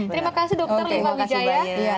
terima kasih dokter liva wijaya